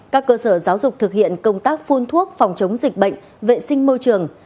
các cơ sở giáo dục thực hiện công tác phun thuốc phòng chống dịch bệnh vệ sinh môi trường